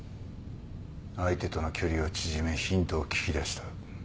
相手との距離を縮めヒントを聞き出した。